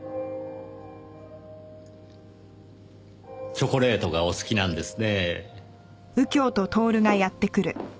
チョコレートがお好きなんですねぇ。